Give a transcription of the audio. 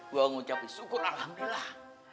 gua ngucapin syukur alhamdulillah